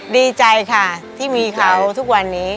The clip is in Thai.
ดีใจค่ะที่มีเขาทุกวันนี้